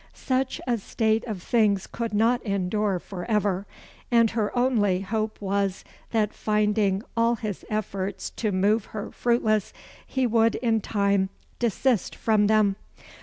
Such a state of things could not endure for ever; and her only hope was, that finding all his efforts to move her fruitless, he would in time desist from them.